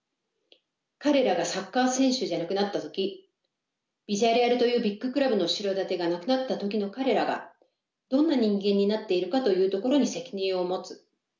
彼らがサッカー選手じゃなくなった時ビジャレアルというビッグクラブの後ろ盾がなくなった時の彼らがどんな人間になっているかというところに責任を持つ。